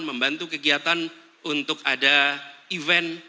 membantu kegiatan untuk ada event